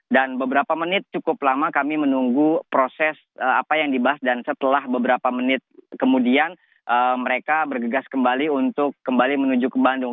dan beberapa menit cukup lama kami menunggu proses apa yang dibahas dan setelah beberapa menit kemudian mereka bergegas kembali untuk kembali menuju ke bandung